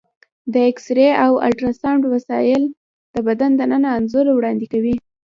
د ایکسرې او الټراساونډ وسایل د بدن دننه انځور وړاندې کوي.